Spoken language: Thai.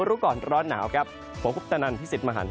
รู้ก่อนร้อนหนาวครับผมคุปตนันพิสิทธิมหัน